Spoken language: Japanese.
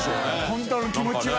本当の気持ちは。